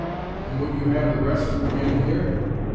"And would you have the rest to remain here?"